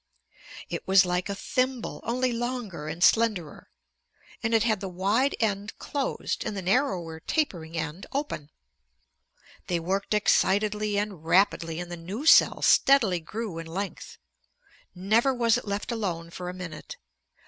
It was like a thimble, only longer and slenderer, and it had the wide end closed and the narrower tapering end open. They worked excitedly and rapidly, and the new cell steadily grew in length. Never was it left alone for a minute.